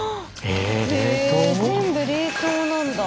へえ全部冷凍なんだ。